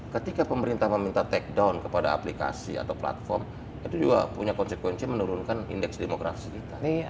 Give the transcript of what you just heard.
ketika pemerintah meminta take down kepada aplikasi atau platform itu juga punya konsekuensi menurunkan indeks demokrasi kita